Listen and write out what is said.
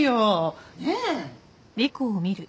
ねえ？